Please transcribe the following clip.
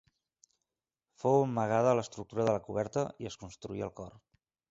Fou amagada l'estructura de la coberta i es construí el cor.